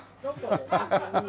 ハハハッ。